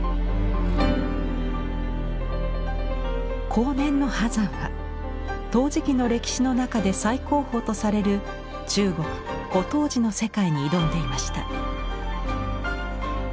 後年の波山は陶磁器の歴史の中で最高峰とされる中国古陶磁の世界に挑んでいました。